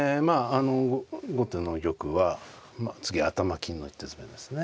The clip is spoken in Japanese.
あの後手の玉は次頭金の一手詰めですね。